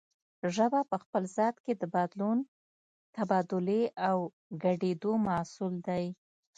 ژبه په خپل ذات کې د بدلون، تبادلې او ګډېدو محصول دی